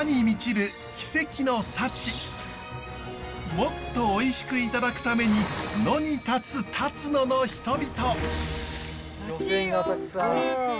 もっとおいしくいただくために野に立つたつのの人々！